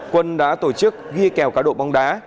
quân đã tổ chức ghi kèo cá độ bóng đá